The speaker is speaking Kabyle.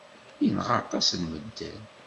Yenɣa aṭas n medden.